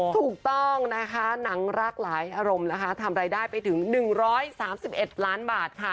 ถูกต้องนะคะหนังรักหลายอารมณ์นะคะทำรายได้ไปถึง๑๓๑ล้านบาทค่ะ